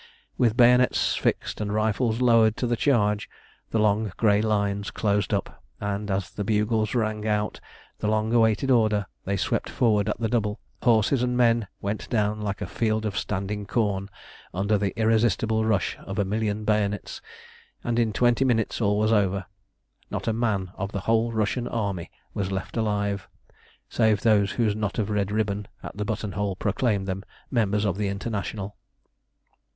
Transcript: With bayonets fixed and rifles lowered to the charge, the long grey lines closed up, and, as the bugles rang out the long awaited order, they swept forward at the double, horses and men went down like a field of standing corn under the irresistible rush of a million bayonets, and in twenty minutes all was over. Not a man of the whole Russian army was left alive, save those whose knot of red ribbon at the button hole proclaimed them members of the International.